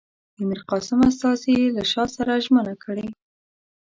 د میرقاسم استازي له شاه سره ژمنه کړې.